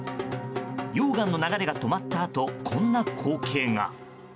溶岩の流れが止まったあとこんな光景が。